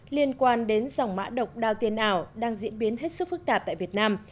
liên quan đến dòng mã độc đào tiền ảo đang diễn biến hết sức phức tạp tại việt nam